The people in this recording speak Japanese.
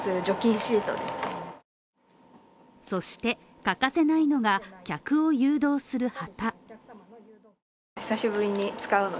そして欠かせないのが、客を誘導する旗。